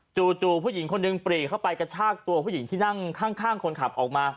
จู่ผู้หญิงคนหนึ่งปรีเข้าไปกระชากตัวผู้หญิงที่นั่งข้างคนขับออกมา